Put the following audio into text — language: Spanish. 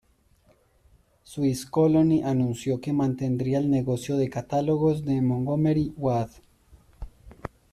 Swiss Colony anunció que mantendría el negocio de catálogos de Montgomery Ward.